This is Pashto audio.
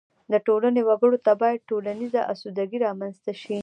د ټولنې وګړو ته باید ټولیزه اسودګي رامنځته شي.